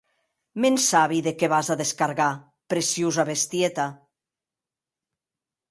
Me’n sai de qué vas a descargar, preciosa bestieta.